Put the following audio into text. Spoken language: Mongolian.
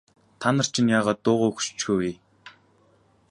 Та нар чинь яагаад дуугүй хөшчихөө вэ?